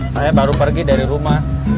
saya baru pergi dari rumah